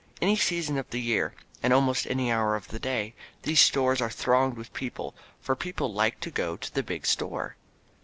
Any season of the year, and almost any hour of the day, these stores are thronged with people, for people like to go to the big store.